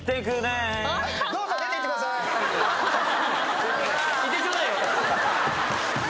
すいません。